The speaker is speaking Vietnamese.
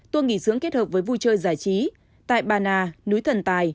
tour nghỉ dưỡng kết hợp với vui chơi giải trí tại bà nà núi thần tài